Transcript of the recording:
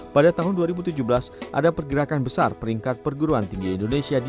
dua ribu delapan belas pada tahun dua ribu tujuh belas ada pergerakan besar peringkat perguruan tinggi indonesia di